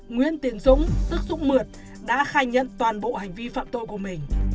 nguyễn tiến dũng tức dũng mượt đã khai nhận toàn bộ hành vi phạm tội của mình